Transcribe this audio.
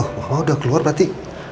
oh mama udah keluar berarti